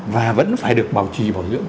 và vẫn phải được bảo trì bảo dưỡng